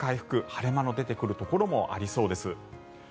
晴れ間の出てくるところもありそうです。